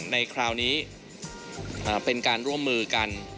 ในคราวนี้เป็นการร่วมมือกัน